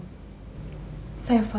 soal menjodohkan dia dengan kamu